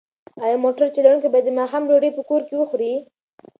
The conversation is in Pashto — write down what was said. ایا موټر چلونکی به د ماښام ډوډۍ کور کې وخوري؟